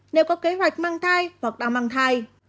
nếu có kế hoạch mang thai hoặc đang mang thai